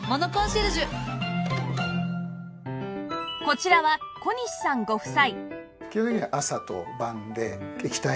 こちらは小西さんご夫妻